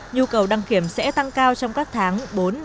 nhu cầu đăng kiểm sẽ tăng cao trong các tháng bốn năm sáu bảy